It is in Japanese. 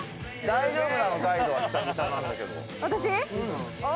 大丈夫？